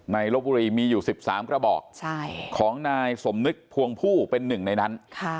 ลบบุรีมีอยู่๑๓กระบอกของนายสมนึกพวงผู้เป็นหนึ่งในนั้น